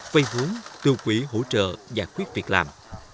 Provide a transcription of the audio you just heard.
vây hướng tư quý hỗ trợ giải quyết việc làm